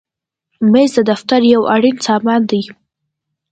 مېز د دفتر یو اړین سامان دی.